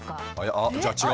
あっじゃあ違うんだ。